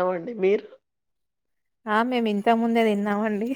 ఎవండి మీరు ఆ మేము ఇంత ముందే తిన్నామండి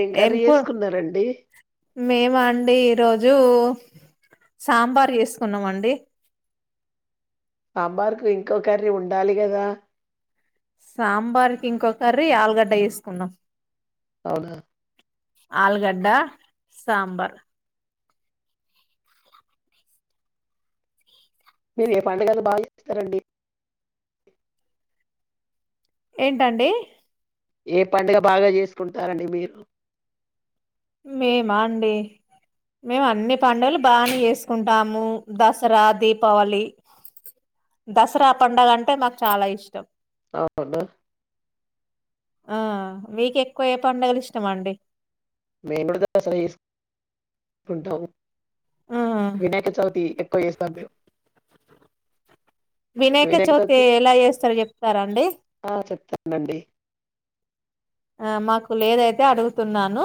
ఏం కర్రీ చేసుకున్నారంండి మేము అండి ఈరోోజు సాంబార్ చేసుకున్నామండి సాంబార్కు ఇంకోొ కర్రీ ఉండాలి కదా సాంబార్కిి ఇంకొకరి ఆలుగడ్డ చేసుకున్నాం అవునా ఆల్గడ్డ సాంబర్ మీరు ఏ పడుగలు బాగా చేస్తారండి ఏంటండి ఏ పండుగ బాగా చేసుకుంటారండి మీరు మేమా అండి మేము అన్ని పండుగలు బాగా చేసుకుంటాము దసరా దీపావళి దసరా పండుగ అంటే మాకు చాలా ఇష్టం అవునా ఆ మీకు ఎక్కువ ఏ పడుగలు ఇష్టం అండి మేముకూ దస సుకుంటాం ఆ వినాయక చవితి ఎక్కువ వేస్త అదే వినాయక చవితి ఎలా చేస్తారో చెప్తారా అండి నండి ఆ మాకు లేదైతే అడుగుతున్నాను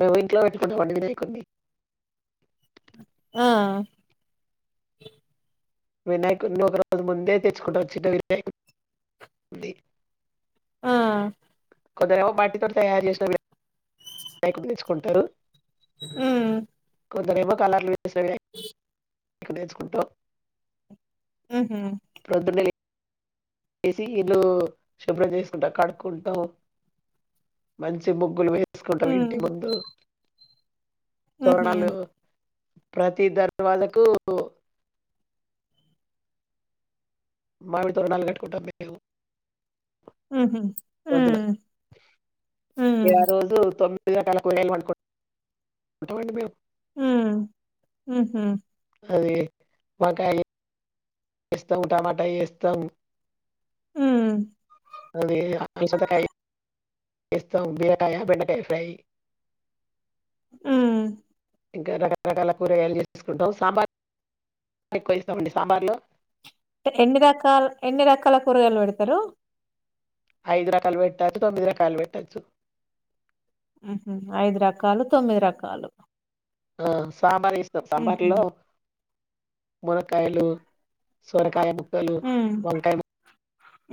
మేము ఇంట్లో పెట్టుకుంటాం వి అయికుడి ఆ వినాయకుని ఒక రోజు ముందే తెచ్చుకుంటచ్చటు వినాయ ఆ కొద్దిరేమ వాటి తో తయారు చేసినకుసుుకుంటారు అ కొందరేపుో కలర్లు వేసేవి వేసుుకుంటూ ఆహ చేసి ఇీల్ళ్లుు శుభ్రం చేసుకుంటా కడుక్ంటాము మంచి ముగ్గులు వేసుకుంటం ఇంటి హ్మ్ ముందు ఉహూ తోరణాలు ప్రతి దర్వాజకు మామిడి తోరణాలు కట్టుకుంటాం మే ఉహూ హ్మ్ హ్మ్ ఆ రోజు తొమి గట్టలా కూరయలు పంట ఉంటామండి మేము హ అది మాకా వేస్తాము టమాటా వేస్తాం హ్మ్ అదే అస ఇస్తాం బిరాయ బెండకాయ ఫ్రై ఉ ఇంకా రకరకాల కూరగాయలు చేసేసుకుంటాం సాంబార్ ఎక్కువ ఇస్తామండి సాంబార్లు ఎన్ని రకాల ఎన్ని రకాల కూరగాయలు పెడతరు ఐదు రకాలు పెట్టొచ్చు తొమ్మిది రకాలు పెట్టచ్చు హ ఐదు రకాలు తొమ్మిది రకాలు ఆ సాంబార్ ఇస్తాం ఉహూ సాంబార్లో ములకాయలు సోరకాయ ముక్కలు హ్మ్ వంకాయ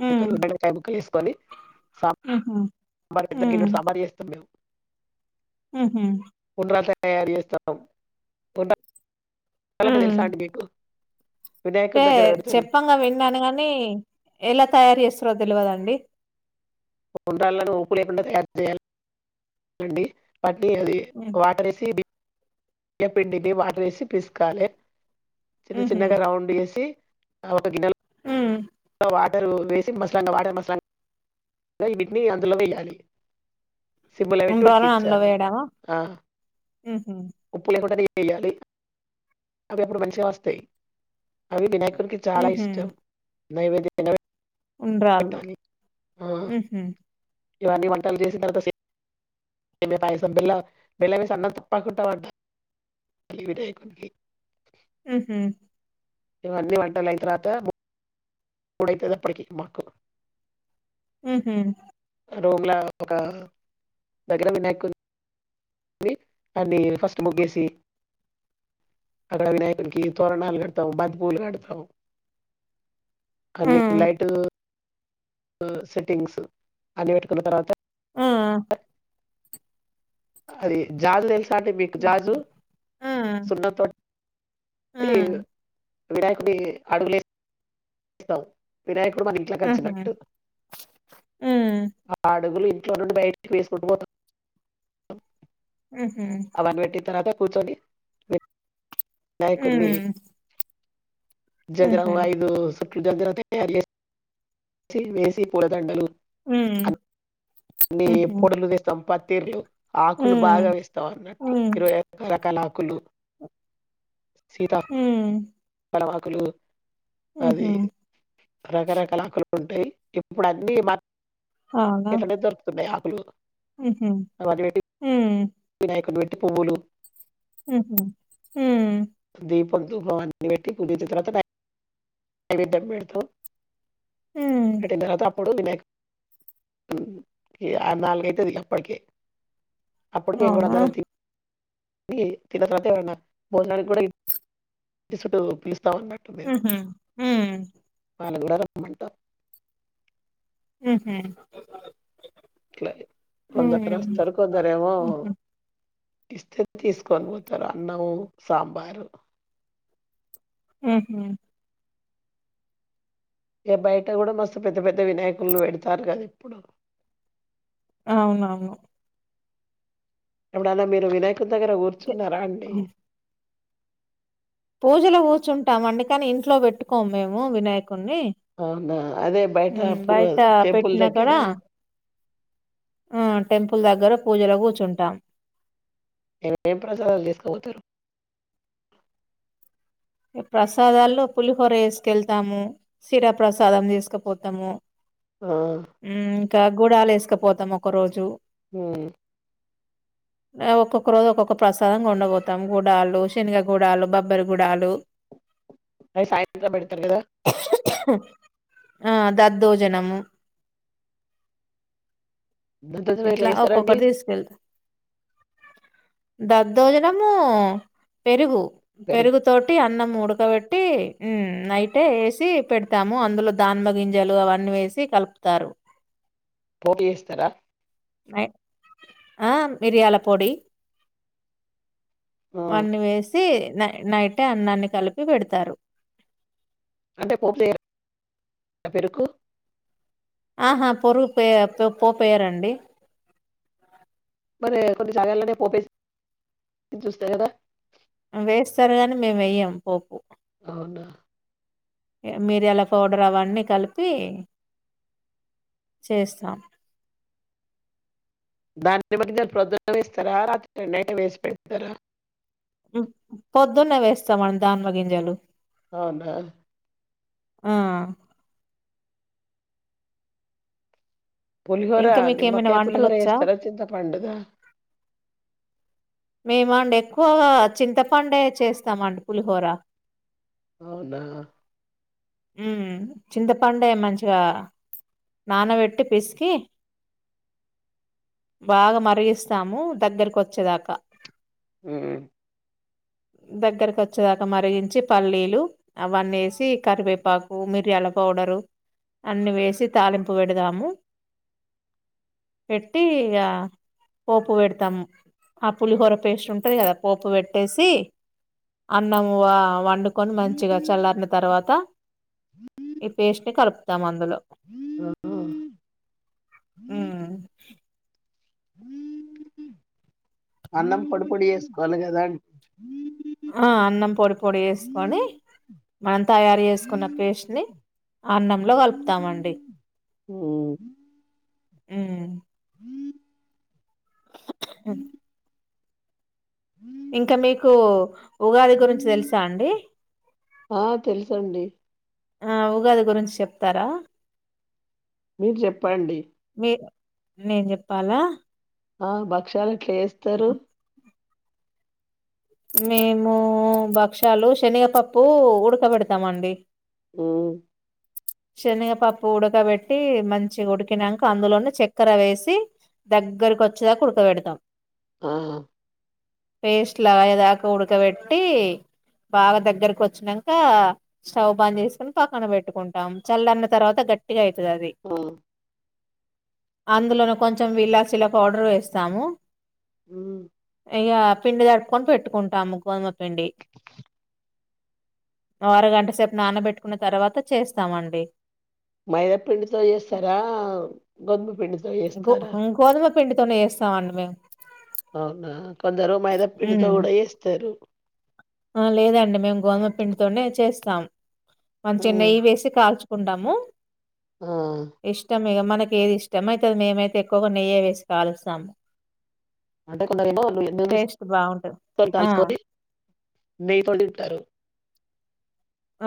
హ్మ్ ముక్క వేసుకొని సా ఉహూ పెద్ద కిల్లు సాబారి చేస్తాం మేము హహమ్ ఉండ్రాలు తయారు చేస్తాంట చలట హ్మ్ తెల్సా ఆడ్ బకు అంటే చెప్పంగా విన్నాను కాగాని ఎలా తయారు చేస్తారో తెలియదండి ఉండాలని ఊప్పు లేకుండా తయారు చేయాలిండి పట్టి అది హ్మ్ వాటర్ వేసిి బియ్య పిండిని వాటర్ వేసి పిసుకోవాలి చిన్న ఉహూ చిన్నగా రౌండ్ వేసి ఆ ఒక గిన్నె హ్మ్ వాటర్ వేసి మసలాంగా వాటర్ మసలా వీటిని అందులో వేయాలి సిబుల ఉండ్రాళ్ళను అందులో విట్ఊకిచ్చాని వేయడమా ఆ ఉహూ ఉప్పు లేకుండా చెయ్యాలి అవి అప్పుడు మనిషగా వస్తాయి అవి వినాయకు రికి చాలా ఉహూ ఇష్టం నైవేద ఉండ్రాళ్ళు పెట్టాలి ఆ ఉహూ ఇవన్నీ వంటలు చేసిన తర్వాత ఏమే పాయసం బిల్ల బిల్ల వేసి అన్న తప్పకుంంటా అంట విడయ కొడు ఆహ ఇవన్నీ వంటారుయి తర్వాత ఉడతదప్పటికే మాకు ఆహ రూమ్లా ఒక దగ్గర వినాయకు అ అన్ని ఫస్ట్ ముగ్గేసి అక్కడ వినాయకుడికి తోరణాలు కడతాం బద్బూలు కడతాం హ్మ్. అన్నిలైట్ హు సెట్టింగ్స్ అన్ని పెట్టుకున్న తర్వాత హా అది జల్లు డెల్సు చంటే మీకు జాజు ఆ! ఆహా! సున్నం తోటి హ్మ్. వినాయకుంది అడుగులే స్తావ్ వ్వినాయక ఇప్పుడు మన ఇంట్లోకి హుహు. వచ్చినట్టు హ్మ్. ఆ అడుగులు ఇంట్లో నుండి బయటికి వేసుకుంటూ పోతాం ఓ ఉమ్ హ్మ్ కూర్చొని ఉమ్ హ్మ్ హుహు. జగ్గారం ఓ ఐదు సూట్లో దగ్గర తయారు మేసి వేసి పూలదండలు ఉ నీ ఫోటోలు తీస్తాం పత్తిర్లు ఆకులు బాగా వేస్తావు అన్నట్టు హ్మ్. ఇరవై రకరకాల ఆకులు ఉ పడమాకులు అది రకరకాల ఆకులు ఉంటాయి ఇప్పుడు అన్నీ మార్కెట్ లోనే దొరుకుతున్నాయి ఆకులు ఉహు ఉ అట్టి పువ్వులు ఉహు ఉ దీపం దధూపం అన్ని పెట్టి పూజించిన తర్వాత నైవేద్యం పెడతావ్ హ్మ్. పెట్టిన్ తర్వాత ఇప్పుడు వినాయక్ కున్ కి ఇక నాలుగు అయితుంది అప్పటికే అప్పుడికే అవునా? ఊరందరూ తిని అది తిన్న తర్వాత ఎవరైనా భోజనాలు కూడా పిల్ పిల్స్ తబట్టు లేవు హుహు. హ్మ్. [unintelligible] మడ్ద హు హు ఇట్లా కొందరు వస్తారు కొందరు ఏమో హుహు. ఇస్తే తీసుకొని పోతారు అన్నం సాంబారు హ్మ్ ఇగ బయట కూడా మస్తు పెద్ద పెద్ద వినాయకులు పెడతారు కదా ఇప్పుడు అవునవును ఎప్పుడన్నా మీరు వినాయకుని దగ్గర తే కూర్చున్నారా అండి పూజలో కూర్చుంటాం అండి కాని ఇంట్లో పెట్టుకోము మేము వినాయక కొని అవునా అదే బయట బయట టెంపుల్ పెట్టినాక్కడ దగ్గర ఆ టెంపుల్ దగ్గర పూజలో కూర్చుంటాం ఏమేం ప్రసాదాలు చేసుకో పోతారు ప్రసాదాల్లో పులిహోర వేసుకెళ్తాము శిరా ప్రసాదం తీసుకపోతాము ఆ ఇక గూడాల ఎసుకపోతాం ఒక రోజు ఉమ్ ఒక్కొక్క రోజు ఒక్కొక్క ప్రసాదంగా కొండబొతం గుూడాలు శనగగూడాలు బబ్బరి గూడాలు అయి సాయంత్రం పెడతారు కదా ఆ దద్దోజనము దాంతో ఎట్లా ఇట్లా చేస్తారండి ఒక్కొక్కరు తీసుకెళ్తా దద్దోజనము పెరుగు పెరుగు తోటి అన్నంము ఉడకబెట్టి నైటే వేసి పెడతాము అందులో ధన్మ గింజలు అవన్నీ వేసి కలిప తారు పోటీ ఎస్తారా ఆ మిరియాల పొడి ఆ అన్నీ వేసి నై నైటే అన్నాన్ని కలిపి పెడతారు అంటే కోక్లేయర్రా పెరుకు ఆహా పొరు పే పొ పోపెయరండి మరి కొన్ని జగలనే పోపే [inaudible] చూస్తా కదా వేస్తారు గాని మేము వేయ్యాం పోపు అవునా మిరియాల పౌడర్ అవన్నీ కలిపి చేస్తాం దాన్ని బట్టి ప్రొద్దునేస్తారా రాత్రి రెం వేసి పెడతారా పొద్దున్నే వేస్తాంమండి దానిమ్మ గింజలు అవునా ఆ పులిహోర ఇంకా మీకేమైనా నిమ్మక్కయ పులిహోర వంటలొచ్చా? ఎస్తార చింత పండుదా మేమండి ఎక్కువగా చింతపండే చేస్తామండి పులిహోర అవునా మ్మ్ చింతపండే మంచిగా నానబెట్టి పిసికి బాగా మరిగిస్తాము దగ్గరకి వచ్చేదాకా హ్మ్ దగ్గరకు వచ్చేదాకా మరిగించి పల్లీలు అవన్నీ ఏసి కరివేపాకు మిరియాల పౌ డరు అన్ని వేసి తాలింపు పెడదాము పెట్టి ఇగ పోపు పెడతాము పులిహోర పేస్ట్ ఉంటది కదా పోపు పెట్టేసి అన్నము ఆ వండుకొని మంచిగ చల్లారిన తర్వాత ఈ పేస్ట్‌ని కలుపుతాం అం దులో ఆహా. ఉమ్మ్మ్ అన్నం పొడి పొడి చేేసుకోవాలి కదా అం ఆ అన్నం పొడి పొడి చేసుకొని మనం తయారు చేసుకున్న పేస్ట్‌ని అన్నంలో కలుపుతామండి ఉమ్. అ మీకు ఉగాది గురించి తెలుసా అండి ఆ తెలుసండి ఆ ఉగాది గురించి చెప్తారా మీరు చెప్పండి మీ నేను చెప్పాలా ఆ భక్షాలు ఎట్లా చేస్తారు మేము భక్షాలు శనిగపప్పు ఉడకబెడతామండి మ్మ్ శనగపప్పు ఉడకబెట్టి మంచిగా ఉడికినాంక అందులోనే చెక్కెర వేసి దగ్గరకు వచ్చేదాకా ఉడకబెడతాం ఆ పేస్ట్ లాగా అయ్యేదాకా ఉడకబెట్టి బాగా దగ్గరకు వచ్చానంక స్టవ్ బంద్ చేసుకొని పక్కన పెట్టుకుంటాం చల్లరిన్న తర్వాత గట్టిగా అ యితాది ఆ, ఆ, అందులోనే కొంచెం విలాసీల‌ పౌడర్ వేస్తాము మ్మ్ ఇగ పిండి జడుపుకొని పెట్టుకుంటాము గోధమ పిండి ఓ అరగంట సేపు నానబెట్టుకున్న తర్వాత చేస్తామండి మైదాపిండితో చేస్తారా గొందమపిండితో గో చేస్తారా గోధుమ పిండితోనే చేస్తామండి మేము అవునా కొందరు మైదా పిండితో హ్మ్. కూడా ఏస్తరు ఆ లేదండి మేము గోధుమ పిండితోనే చేస్తాం మంచి ఉమ్ నెయ్యి వేసి కాల్చు కుంటాము ఆ మనకి ఏది ఇష్టం అయితే అది మేమైతే ఎక్కువగా నెయ్యి వేసి కలుస్తాము అంటే కొందరేమో బాగుంటది ఆ [unintelligible] నెయ్యి తో తింటారు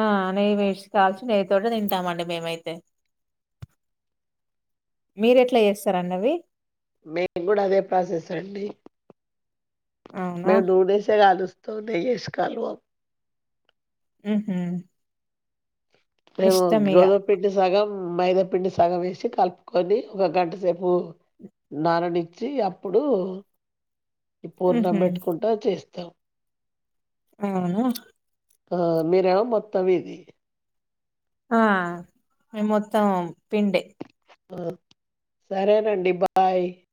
ఆ నెయ్యి వేసి కాల్సి నెయ్యి తోటె తింటామండి మేమైతే మీరెట్లా చేస్తారండి అవి మేము కూడా అదే ప్రాసెసే అండి అవునా మేము నూనెసే కాలుస్తా నూనె ఏసి కాలవం హ్మ్ హ్మ మేము గోధుమపిండి సగం మైదాపిండి సగం వేసి కలుపుకొని ఒక గంట సేపు నానానించి అప్పుడు పూర్ణం ఉహు పెట్టుకుంటా చేస్తాం అవునా ఆ మీరేమో మొత్తం ఇది ఆ మేమ్ మొత్తం పిండే ఆ సరేనండి బాయ్